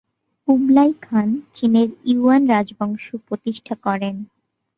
কুবলাই Khan চীনের Yuan রাজবংশ প্রতিষ্ঠা করেন।